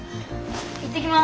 行ってきます！